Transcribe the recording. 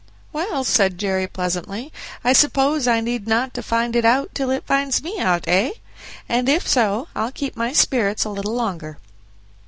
"Well," said Jerry pleasantly, "I suppose I need not find it out till it finds me out, eh? And if so, I'll keep up my spirits a little longer."